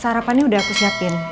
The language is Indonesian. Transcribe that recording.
sarapannya udah aku siapin